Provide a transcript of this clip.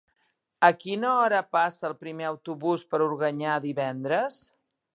A quina hora passa el primer autobús per Organyà divendres?